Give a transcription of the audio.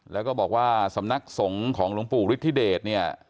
แล้วก็บอกว่าสำนักสงฆ์ของหลวงปู่ฤทธิเดชเนี่ย